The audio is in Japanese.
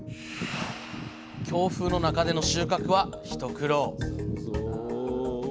強風の中での収穫は一苦労。